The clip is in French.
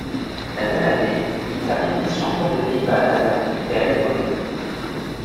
La même année, il termine vice-champion des Pays-Bas derrière Michael Boogerd.